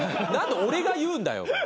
何で俺が言うんだよ。